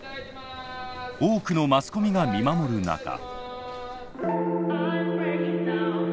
多くのマスコミが見守る中。